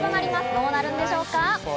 どうなるんでしょうか？